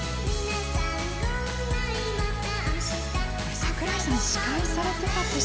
櫻井さん司会されていた年。